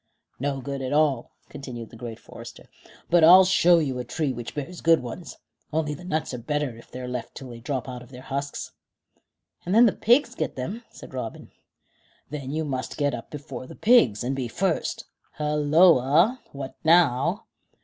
"No good at all," continued the great forester; "but I'll show you a tree which bears good ones, only the nuts are better if they're left till they drop out of their husks." "And then the pigs get them," said Robin. "Then you must get up before the pigs, and be first. Halloa! What now?"